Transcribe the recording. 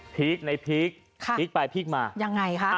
พีคในพีคพีคไปพีคมาค่ะยังไงห้ะ